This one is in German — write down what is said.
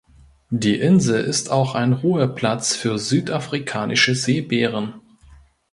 Die Insel ist auch ein Ruheplatz für Südafrikanische Seebären.